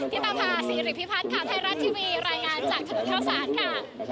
พี่ปภาษีริพิพัฒน์ข่าวไทยรัฐทีวีรายงานจากถนนเข้าศาลค่ะ